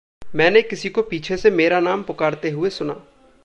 मैंने किसी को पीछे से मेरे नाम पुकारते हुए सुना।